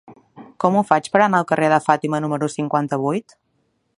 Com ho faig per anar al carrer de Fàtima número cinquanta-vuit?